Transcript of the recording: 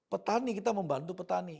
petani kita membantu petani